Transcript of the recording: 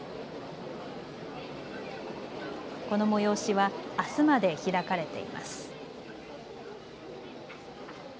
この催しはあすまで開かれています。